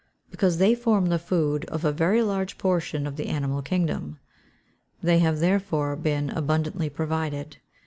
_ Because they form the food of a very large portion of the animal kingdom. They have therefore been abundantly provided.